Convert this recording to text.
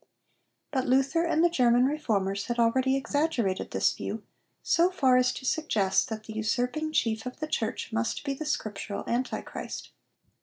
But Luther and the German Reformers had already exaggerated this view, so far as to suggest that the usurping chief of the Church must be the scriptural Antichrist.